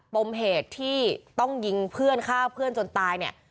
ปมเหตุที่ต้องยิงเพื่อนฆ่าเพื่อนจนตายเนี่ย